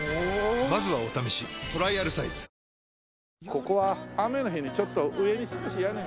ここは雨の日にちょっと上に少し屋根が。